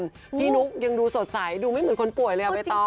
พี่นุ๊กยังดูสดใสดูไม่เหมือนคนป่วยเลยใบตอง